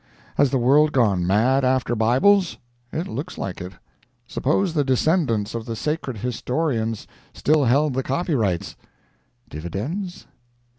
Has the world gone mad after Bibles? It looks like it. Suppose the descendants of the sacred historians still held the copyrights! Dividends?